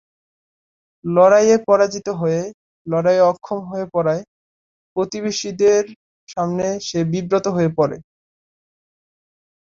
লড়াইয়ে পরাজিত হয়ে লড়াইয়ে অক্ষম হয়ে পড়ায় প্রতিবেশীদের সামনে সে বিব্রত হয়ে পড়ে।